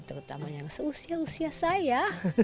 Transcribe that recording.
terutama yang seusia usia saya